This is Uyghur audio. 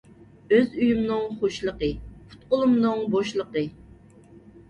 ئۆز ئۆيۈمنىڭ خۇشلىقى، پۇت قۇلۇمنىڭ بوشلىقى.